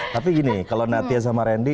tapi gini kalau natia sama randy